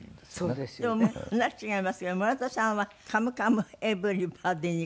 でも話違いますが村田さんは『カムカムエヴリバディ』に。